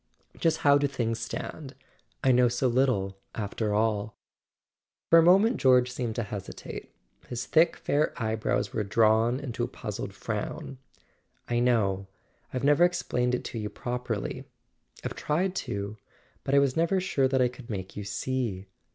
"Just how do things stand? I know so little, after all." For a moment George seemed to hesitate: his thick fair eyebrows were drawn into a puzzled frown. "I know—I've never explained it to you properly. I've tried to; but I was never sure that I could make you see."